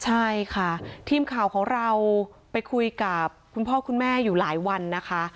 ใช่ค่ะทีมข่าวของเราไปคุยกับคุณพ่อคุณแม่อยู่หลายวันนะคะ